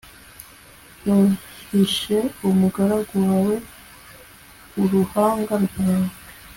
ntuhishe umugaragu wawe uruhanga rwawe